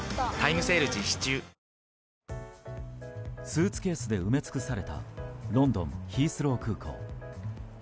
スーツケースで埋め尽くされたロンドン・ヒースロー空港。